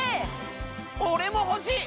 俺も欲しい！